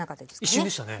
一瞬でしたね。